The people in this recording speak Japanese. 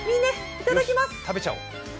いただきます！